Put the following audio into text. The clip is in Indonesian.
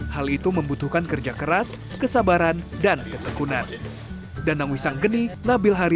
hal itu membutuhkan kerja keras kesabaran dan ketekunan